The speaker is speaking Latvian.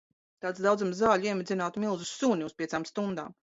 Tāds daudzums zaļu iemidzinātu milzu suni uz piecām stundām.